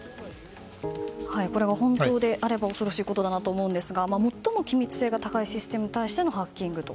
これが本当であれば恐ろしいことだなと思いますが最も機密性が高いシステムに対してのハッキングだと。